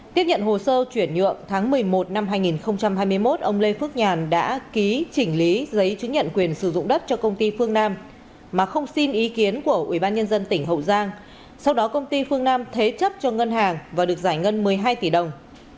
tiếp nhận hồ sơ chuyển nhượng tháng một mươi một năm hai nghìn hai mươi một ông lê phước nhàn đã ký chỉnh lý giấy chứng nhận quyền sử dụng đất cho công ty phương nam mà không xin ý kiến của ubnd tỉnh hậu giang sau đó công ty phương nam thế chấp cho ngân hàng và được giải ngân một mươi hai tỷ đồng